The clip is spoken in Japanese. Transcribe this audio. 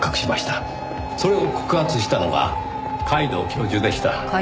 それを告発したのが皆藤教授でした。